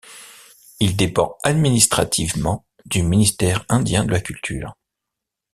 Il dépend administrativement du Ministère indien de la culture.